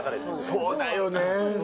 そうだよね。